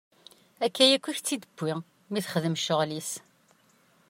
Akka akk i tt-id-tewwi mi i txeddem ccɣel-is.